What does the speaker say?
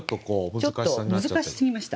ちょっと難しすぎました。